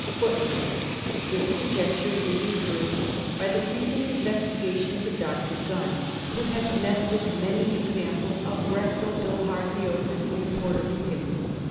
This conjecture is encouraged by the recent investigations of Dr. Guna, who has met with many examples of rectal bilharzioais in Porto Ricans.